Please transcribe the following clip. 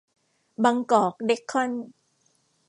บางกอก เดค-คอน